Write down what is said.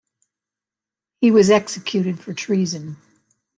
He was executed for treason.